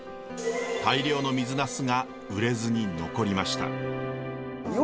大量の水ナスが売れずに残りました。